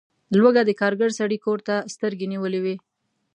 لوږه د کارګر سړي کور ته سترګې نیولي وي.